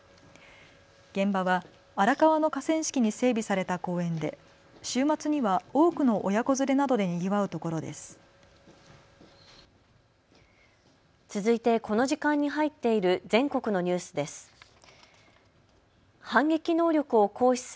現場は荒川の河川敷に整備された公園で週末には多くの親子連れなどでにぎわうところです。